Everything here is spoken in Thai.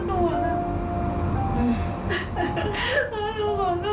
ขอโทษนะ